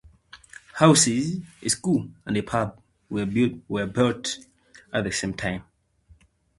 Houses, a school and a pub were built at the same time.